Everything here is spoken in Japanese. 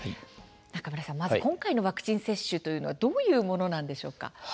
中村さん、まず今回のワクチン接種というのはどういうものなんでしょうか。